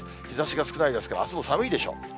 日ざしが少ないですから、あすも寒いでしょう。